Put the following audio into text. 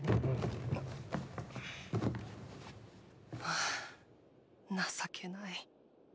はあ情けない。